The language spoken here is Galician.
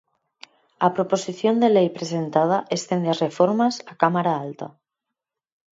A Proposición de lei presentada estende as reformas á Cámara Alta.